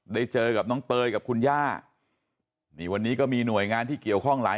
ได้เจอกับน้องเตยกับคุณย่านี่วันนี้ก็มีหน่วยงานที่เกี่ยวข้องหลาย